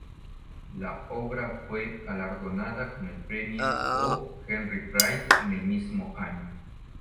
La obra fue galardonada con el premio O. Henry Prize en el mismo año.